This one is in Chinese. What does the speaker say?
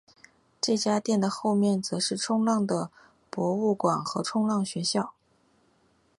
这家店的后面则是冲浪的博物馆和冲浪学校。